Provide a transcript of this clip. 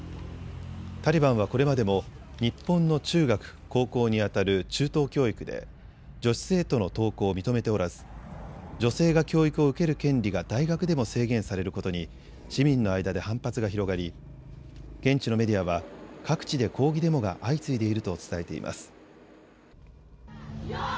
タリバンはこれまでも日本の中学、高校にあたる中等教育で女子生徒の登校を認めておらず、女性が教育を受ける権利が大学でも制限されることに市民の間で反発が広がり、現地のメディアは各地で抗議デモが相次いでいると伝えています。